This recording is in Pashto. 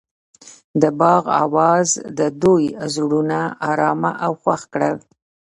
د باغ اواز د دوی زړونه ارامه او خوښ کړل.